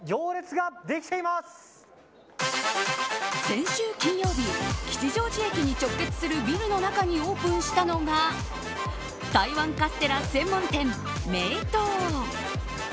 先週金曜日吉祥寺駅に直結するビルの中にオープンしたのが台湾カステラ専門店、名東。